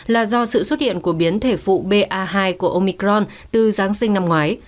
là do sự xuất hiện của biến thể phụ ba hai của omicron từ giáng sinh năm ngoái